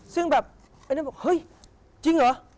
ซึ่งแบบไอ้นั่นบอกเฮ้ยจริงเหรอ